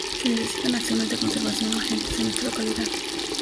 Se necesitan acciones de conservación urgentes en esta localidad.